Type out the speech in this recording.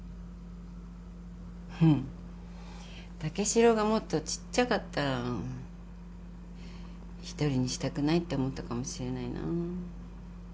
フッ武四郎がもっとちっちゃかったら一人にしたくないって思ったかもしれないなあ。